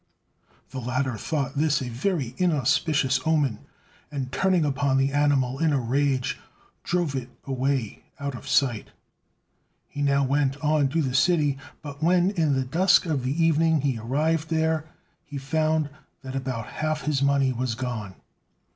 The latter thought this a very inauspicious omen, and turning upon the animal in a rage, drove it away out of sight. He now went on to the city; but when, in the dusk of the evening, he arrived there, he found that about half his money was gone.